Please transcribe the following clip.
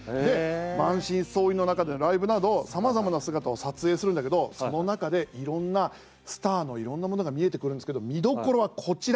満身創痍の中でのライブなどさまざまな姿を撮影するんだけどその中で、いろんなスターのいろんなものが見えてくるんですけど見どころはこちら。